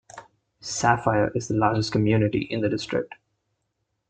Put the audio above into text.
Sapphire is the largest community in the district.